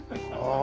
あ！